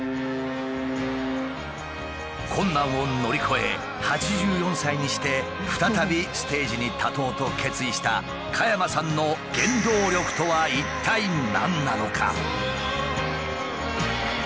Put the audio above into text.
困難を乗り越え８４歳にして再びステージに立とうと決意した加山さんの原動力とは一体何なのか？